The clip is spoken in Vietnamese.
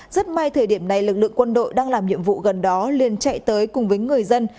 rất may thời điểm này lực lượng quân đội đang làm nhiệm vụ gần đó liên chạy tới cùng với người dân